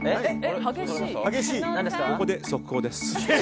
ここで速報です。